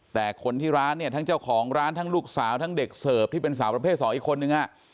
แต่คนที่ร้านเนี่ยทั้งเจ้าของร้านทั้งลูกสาวทั้งเด็กเสิร์ฟที่เป็นสาวประเภท๒อีกคนนึง